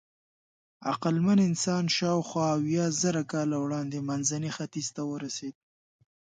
عقلمن انسان شاوخوا اویازره کاله وړاندې منځني ختیځ ته ورسېد.